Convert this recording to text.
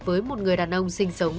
với một người đàn ông sinh sống